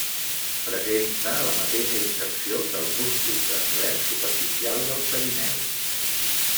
Presenta la mateixa inserció que el múscul transvers superficial del perineu.